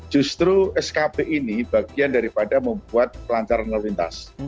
justru skb ini bagian daripada membuat pelancaran lalu lintas